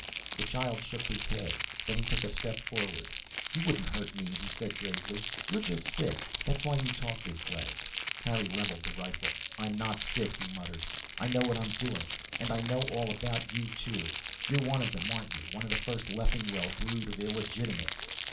The child shook his head. Then he took a step forward. "You wouldn't hurt me," he said, gravely. "You're just sick. That's why you talk this way." Harry leveled the rifle. "I'm not sick," he muttered. "I know what I'm doing. And I know all about you, too. You're one of them, aren't you? One of the first of Leffingwell's brood of illegitimates."